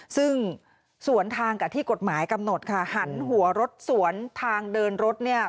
ซึ่งสวนทางกับที่กฎหมายกำหนดค่ะหันหัวรถสวนทางเดินรถเนี่ย